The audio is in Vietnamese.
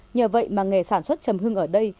nhờ vậy mà nghề sản xuất chầm hương ở đây